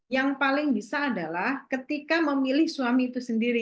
yang paling bisa adalah ketika memilih suami itu sendiri